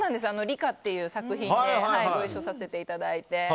「リカ」っていう作品でご一緒させていただいて。